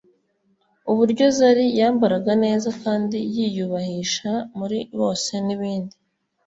uburyo Zari yambaraga neza kandi yiyubahisha muri bose nibindi